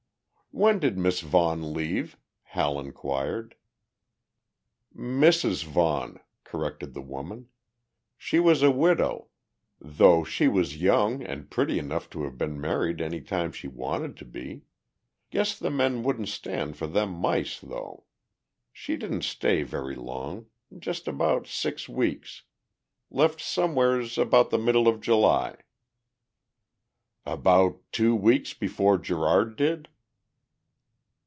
"When did Miss Vaughan leave?" Hal inquired. "Mrs. Vaughan," corrected the woman. "She was a widow though she was young and pretty enough to have been married any time she wanted to be. Guess the men wouldn't stand for them mice, though. She didn't stay very long just about six weeks. Left somewheres about the middle of July." "About two weeks before Gerard did?"